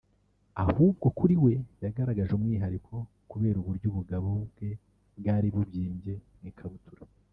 Ahubwo kuri we yagaragaje umwihariko kubera uburyo ubugabo bwe bwari bubyimbye mu ikabutura